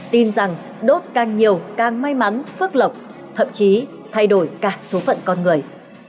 tin rằng đốt càng nhiều càng may mắn phức lọc thậm chí thay đổi cả số phận con người